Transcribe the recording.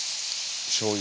しょうゆ。